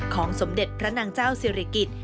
ของสมเด็จพระนางเจ้าเศรษฐกิจ